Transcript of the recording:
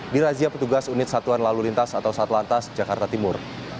di razia petugas unit satuan lalu lintas atau satu lantas jakarta timur